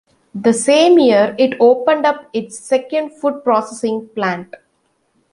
The same year, it opened up its second food processing plant.